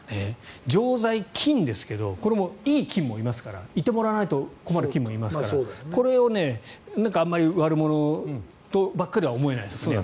常在菌ですけどこれもいい菌もいますからいてもらわないと困る菌もいますからこれを、あまり悪者とばかりは思えないですね。